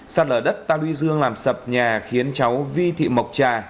sạt lở đất ta luy dương làm sập nhà khiến cháu vi thị mộc trà